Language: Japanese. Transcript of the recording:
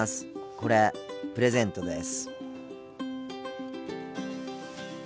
これプレゼントです。